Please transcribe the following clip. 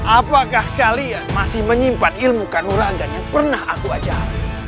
apakah kalian masih menyimpan ilmu kanura anggan yang pernah aku ajar